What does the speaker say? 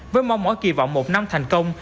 với mong mỏi kỳ vọng một năm thành công